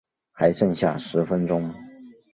还剩下十分钟